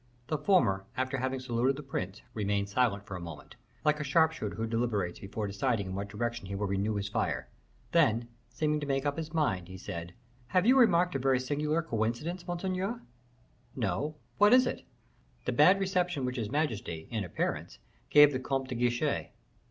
The former, after having saluted the prince, remained silent for a moment, like a sharpshooter who deliberates before deciding in what direction he will renew his fire; then, seeming to make up his mind, he said, "Have you remarked a very singular coincidence, monseigneur?" "No; what is it?" "The bad reception which his majesty, in appearance, gave the Comte de Guiche."